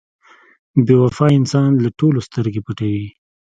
• بې وفا انسان له ټولو سترګې پټوي.